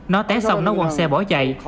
nó té xong nó quăng xe bỏ chạy